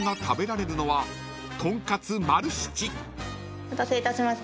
お待たせいたしました。